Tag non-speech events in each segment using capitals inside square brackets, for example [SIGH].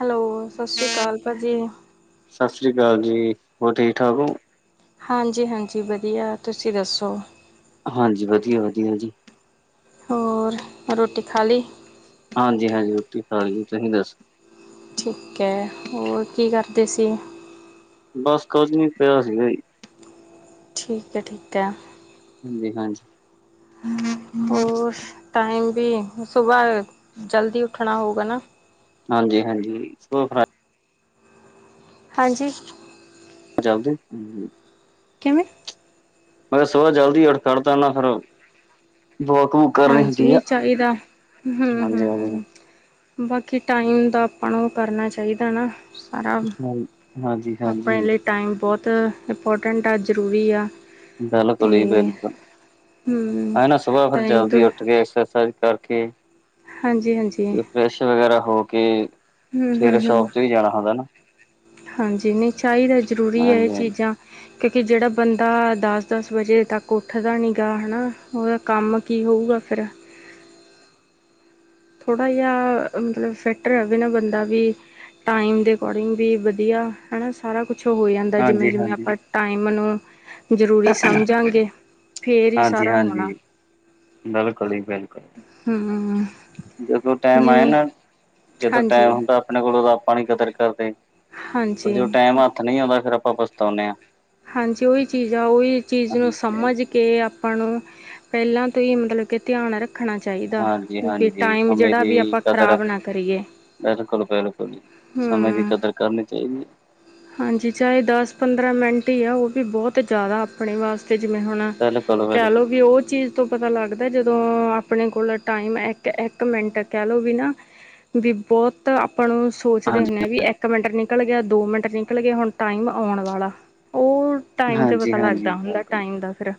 Hello, ਸਸ੍ਰੀ ਕਾਲ ਭਾਜੀ। ਸਸ਼੍ਰੀ ਕਾਲ ਜੀ, ਹੋਰ ਠੀਕ- ਠਾਕ ਓ? ਹਾਂਜੀ -ਹਾਂਜੀ, ਵਦੀਆ, ਤੁਸੀਂ ਦੱਸੋ। ਹਾਂਜੀ-ਹਾਂਜੀ, ਵਦੀਆ-ਵਦੀਆ ਜੀ। ਹੋਰ, ਰੋਟੀ ਖਾ ਲੀ? ਹਾਂਜੀ-ਹਾਂਜੀ, ਰੋਟੀ ਖਾਲੀ, ਤੁਸੀਂ ਦੱਸੋ। ਠੀਕ ਐ, ਹੋਰ ਕੀ ਕਰਦੇ ਸੀ? ਬਸ ਕੁਸ਼ ਨੀ, ਪਿਆ ਸੀਗਾ ਜੀ। ਠੀਕ ਐ -ਠੀਕ ਐ। ਜੀ ਹਾਂਜੀ। ਹੋਰ, ਟਾਈਮ ਬੀ, ਸੁਬਾਹ, ਜਲਦੀ ਉੱਠਨਾ ਹੋਊ ਗਾ ਨਾ। ਹਾਂਜੀ-ਹਾਂਜੀ ਸੁਬਾਹ ਉਠਨਾ। ਹਾਂਜੀ। ਜਲਦੀ। ਕਿਵੇਂ? ਮੈਂ ਤਾਂ ਸੁਬਾਹ ਜਲਦੀ ਉਠ ਖੜਦਾ ਨਾ ਫਿਰ, ਵੋਕ ਵੂਕ ਕਰਨੀ ਹਾਂਜੀ, ਹੁੰਦੀ ਆ ਨਈਂ ਚਾਈਦਾ, ਹਾਂਜੀ ਹਾਂਜੀ ਹੂੰ-ਹੂੰ। ਬਾਕੀ ਟਾਈਮ ਦਾ ਆਪਾਂ ਨੂੰ ਕਰਨਾ ਚਾਈਦਾ ਨਾ। ਨਈ। ਆਪਨੇ ਲਈ ਟਾਈਮ ਬੋਤ, ਇੰਪੋਰਟੈਂਟ ਆ, ਜ਼ਰੂਰੀ ਆ। ਬਿਲਕੁਲ ਅਤੇ ਜੀ, ਬਿਲਕੁਲ, ਹੂੰ ਐ ਨਾ ਸੁਬਾਹ ਫਿਰ ਟਾਈਮ ਜਲਦੀ ਉੱਠ ਕੇ ਐਕਸਰਸਾਈਜ਼ ਕਰ ਓਕੇ। ਹਾਂਜੀ- ਹਾਂਜੀ। ਫਰੇਸ਼ ਵਗੈਰਾ ਹੋ ਕੇ, ਫੇਰ ਹੂੰ-ਹੂੰ-ਹੂੰ, ਸ਼ੋਪ 'ਤੇ ਵੀ ਜਾਨਾ ਹੁੰਦੈ ਨਾ। ਹਾਂਜੀ, ਨਈ ਚਾਈਦੈ, ਜ਼ਰੂਰੀ ਐ ਐਹ ਹਾਂਜੀ ਚੀਜ਼ਾਂ। ਕਿਉਂਕਿ ਜੇੜਾ ਬੰਦਾ ਦਸ-ਦਸ ਵਜੇ ਤੱਕ ਉੱਠਦਾ ਨੀ ਗਾ, ਹੈ ਨਾ? ਓਦਾ ਕੰਮ ਕੀ ਹੋਊਗਾ ਫਿਰ? ਥੋੜਾ ਜੇਆ, ਅ ਮਤਲਬ ਫਿੱਟ ਰਵੇ ਨਾ ਬੰਦਾ ਵੀ। ਟਾਈਮ ਦੇ ਅਕੋਰਡਿੰਗ ਵੀ ਵਦੀਆ। ਹਨਾ, ਸਾਰਾ ਕੁਛ ਹੋ ਜਾਂਦਾ ਜਿਵੇਂ- ਹਾਂਜੀ ਜਿਵੇਂ ਹਾਂਜੀ ਆਪਾਂ ਟਾਈਮ ਨੂੰ ਜ਼ਰੂਰੀ ਸਮਝਾਂਗੇ, ਫੇਰ ਈ ਹਾਂਜੀ ਸਾਰਾ ਹੋਨਾ। ਹਾਂਜੀ ਬਿਲਕੁਲ ਜੀ ਬਿਲਕੁਲ। ਹੂੰ ਜਦੋਂ ਟਾਈਮ ਆਏ ਜਿਵੇਂ ਨਾ, ਜਦੋਂ ਟਾਈਮ ਹੁੰਦਾ ਆਪਣੇ ਕੋਲੋ ਉਦੋਂ ਆਪਾਂ ਨੀ ਕਦਰ ਕਰਦੇ, ਪਰ ਜਦੋ ਹਾਂਜੀ-ਹਾਂਜੀ। ਟਾਈਮ ਹੱਥ ਨਹੀਂ ਆਉਂਦਾ ਫਿਰ ਆਪਾਂ ਪਛਤਾਉਂਦੇ ਆ। ਹਾਂਜੀ ਉਹੀ ਚੀਜ਼ ਆ, ਉਹੀ ਚੀਜ਼ ਨੂੰ ਹਾਂਜੀ ਸਮਝ ਕੇ ਆਪ ਆਪਾਂ ਨੂੰ ਪਹਿਲਾਂ ਤੋਂ ਹੀ ਮਤਲਬ ਕਿ ਧਿਆਨ ਰੱਖ ਰੱਖਣਾ ਚਾਹੀਦਾ। ਹਾਂਜੀ ਹਾਂਜੀ ਵੀ ਹਾਂਜੀ ਟਾਈਮ ਜਿਹੜਾ ਵੀ ਆਪਾਂ ਖ਼ਰਾਬ ਨਾ ਕਰੀਏ। ਬਿਲਕੁਲ-ਬਿਲਕੁਲ ਜੀ, ਸਮੇਂ ਦੀ ਹੂੰ ਕਦਰ ਕਰਨੀ ਚਾਹੀਦੀ ਹੈ। ਹਾਂਜੀ, ਚਾਹੇ ਦਸ ਪੰਦਰਾਂ ਮਿੰਟ ਹੀ ਆ, ਉਹ ਵੀ ਬਹੁਤ ਜ਼ਿਆਦਾ ਆਪਣੇ ਵਾਸਤੇ ਜਿਵੇਂ ਹੁਣ ਬਿਲਕੁਲ ਕਹਿ ਲਓ ਬਿਲਕੁਲ ਵੀ ਉਹ ਚੀਜ਼ ਤੋਂ ਪਤਾ ਲੱਗਦਾ। ਜਦੋਂ ਆਪਣੇ ਕੋਲ ਟਾਈਮ ਇੱਕ-ਇੱਕ ਮਿੰਟ ਕਹਿ ਲਓ ਵੀ ਨਾ ਵੀ ਬਹੁਤ ਆਪਾਂ ਨੂੰ ਸੋਚਦੇ ਹਾਂਜੀ ਹੁੰਨੇ ਆ ਵੀ ਇੱਕ ਮਿੰਟ ਨਿਕਲ ਗਿਆ ਦੋ ਮਿੰਟ ਨਿਕਲ ਗਏ, ਹੁਣ ਟਾਈਮ ਆਉਣ ਵਾਲਾ ਉਰ ਟਾਈਮ ਤੇ ਹਾਂਜੀ ਪਤਾ ਹਾਂਜੀ ਲੱਗਦਾ ਹੁੰਦਾ ਬਿਲਕੁਲ ਟਾਈਮ ਦਾ ਫੇਰ।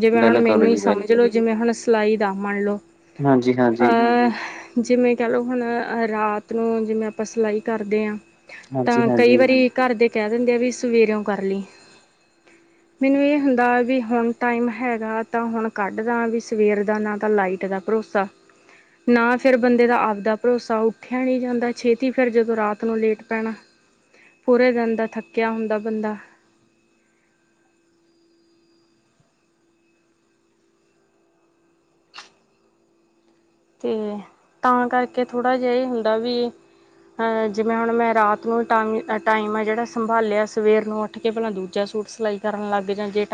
ਜਿਵੇਂ ਹੁਣ ਮੈਨੂੰ ਬਿਲਕੁਲ ਹੀ ਜੀ ਸਮਝ ਬਿਲਕੁਲ ਲੋ, ਜਿਵੇਂ ਹੁਣ ਸਿਲਾਈ ਦਾ ਮੰਨਲੋ। ਹਾਂਜੀ ਹਾਂ। ਹਾਂ। ਜਿਵੇਂ ਕਹਿ ਲਓ, ਹੁਣ ਰਾਤ ਨੂੰ ਜਿਵੇਂ ਆਪਾਂ ਸਿਲਾਈ ਕਰਦੇ ਆਂ। ਹਾਂਜੀ ਤਾਂ ਕਈ ਹਾਂਜੀ ਵਾਰੀ ਘਰ ਦੇ ਕਹਿ ਦਿੰਦੇ ਆ ਵੀ ਸਵੇਰੇਓ ਕਰ ਲਈ। [INAUDIBLE] ਮੈਨੂੰ ਇਹ ਹੁੰਦਾ ਵੀ ਹੁਣ ਟਾਈਮ ਹੈਗਾ ਤਾਂ ਹੁਣ ਕੱਢਦਾ, ਵੀ ਸਵੇਰ ਦਾ ਨਾ ਤਾਂ ਲਾਈਟ ਦਾ ਭਰੋਸਾ ਸਾ ਨਾ ਫੇਰ ਬੰਦੇ ਦਾ ਆਪਦਾ ਭਰੋਸਾ ਉੱਠਿਆ ਨਹੀ ਜਾਂਦਾ ਛੇਤੀ, ਫਿਰ ਜਦੋਂ ਰਾਤ ਨੂੰ ਲੇਟ ਪੈਣਾ। ਪੂਰੇ ਦਿਨ ਦਾ ਥੱਕਿਆ ਹੁੰਦਾ ਬੰਦਾ। ਤੇ ਤਾਂ ਕਰਕੇ ਥੋੜ੍ਹਾ ਜਿਹਾ ਇਹ ਹੁੰਦਾ ਵੀ ਅ ਜਿਵੇਂ ਹੁਣ ਮੈਂ ਰਾਤ ਨੂੰ ਟਾੲਮ ਟਾਈਮ ਆ ਜਿਹੜਾ ਸੰਭਾਲਿਆ। ਸਵੇਰ ਨੂੰ ਉਠ ਕੇ ਅਪਣਾ ਦੂਜਾ ਸੂਟ ਸਿਲਾਈ ਕਰਨ ਲੱਗਜਾਂ, ਜੇ